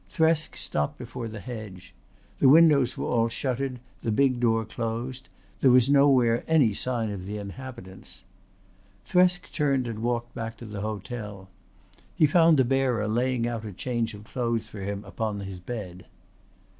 Thresk stopped before the hedge. The windows were all shuttered, the big door closed: there was nowhere any sign of the inhabitants. Thresk turned and walked back to the hotel. He found the bearer laying out a change of clothes for him upon his bed.